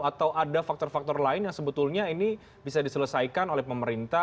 atau ada faktor faktor lain yang sebetulnya ini bisa diselesaikan oleh pemerintah